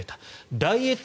ダイエット